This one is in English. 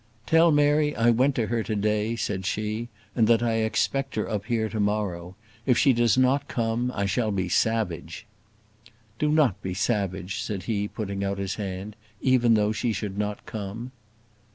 "Tell Mary I went to her to day," said she, "and that I expect her up here to morrow. If she does not come, I shall be savage." "Do not be savage," said he, putting out his hand, "even though she should not come."